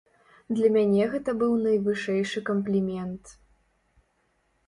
Для мяне гэта быў найвышэйшы камплімент.